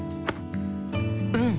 うん！